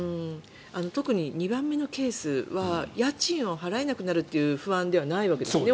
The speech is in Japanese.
特に２番目のケースは家賃を払えなくなるという不安ではないわけですよね